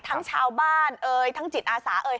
ทั้งชาวบ้านทั้งจิตอาสา